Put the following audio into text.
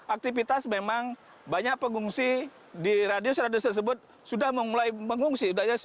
aktivitas memang banyak pengungsi di radius radius tersebut sudah memulai pengungsi